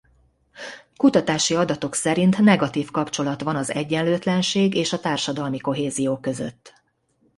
Kutatási adatok szerint negatív kapcsolat van az egyenlőtlenség és a társadalmi kohézió között.